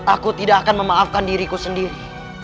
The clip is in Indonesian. aku tidak akan memaafkan diriku sendiri